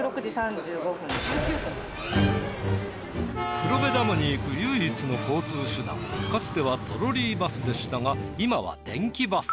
黒部ダムに行く唯一の交通手段はかつてはトロリーバスでしたが今は電気バス。